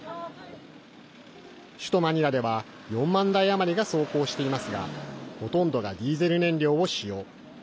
首都マニラでは４万台余りが走行していますがほとんどがディーゼル燃料を使用。